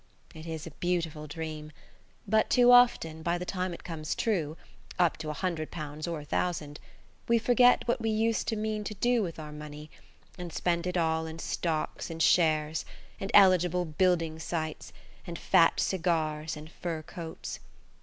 It is a beautiful dream, but too often, by the time it comes true–up to a hundred pounds or a thousand–we forget what we used to mean to do with our money, and spend it all in stocks and shares, and eligible building sites, and fat cigars and fur coats.